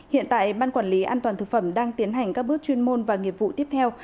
hiện tại ban quản lý an toàn thực phẩm đang tiến hành các bước chuyên môn và nghiệp vụ tiếp theo